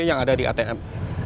yang ada di atm